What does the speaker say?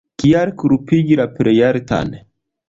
Kial kulpigi la Plejaltan?